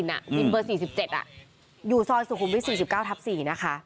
วินเบอร์๔๗อยู่ซอยสุขุมวิท๔๙ทับ๔นะคะ